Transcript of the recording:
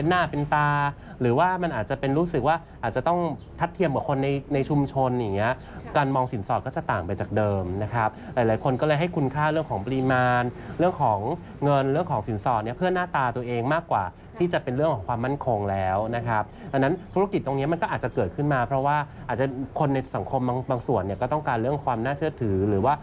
ในชุมชนอย่างนี้การมองสินสอดก็จะต่างไปจากเดิมนะครับหลายคนก็เลยให้คุณค่าเรื่องของปริมาณเรื่องของเงินเรื่องของสินสอดเพื่อหน้าตาตัวเองมากกว่าที่จะเป็นเรื่องของความมั่นคงแล้วนะครับดังนั้นธุรกิจตรงนี้มันก็อาจจะเกิดขึ้นมาเพราะว่าอาจจะคนในสังคมบางส่วนก็ต้องการเรื่องความน่าเชื่อถือหรือว่